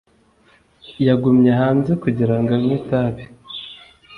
Yagumye hanze kugira ngo anywe itabi